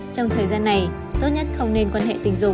trong thời gian này tốt nhất không nên quan hệ tình dục